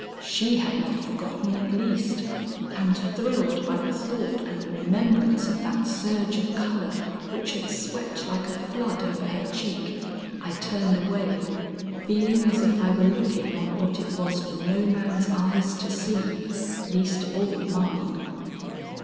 She had not forgotten at least, and thrilled by the thought and the remembrance of that surge of color which had swept like a flood over her cheek, I turned away, feeling as if I were looking on what it was for no man's eyes to see, least of all mine.